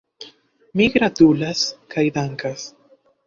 Mi gratulas kaj dankas.